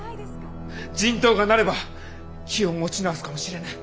人痘がなれば気を持ち直すかもしれぬ。